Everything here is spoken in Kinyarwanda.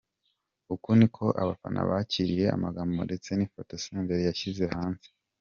Uku ni ko abafana bakiriye amagambo ndetse n’ifoto Senderi yashyize hanze.